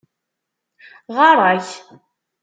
Ɣarak